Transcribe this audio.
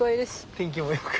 天気も良く。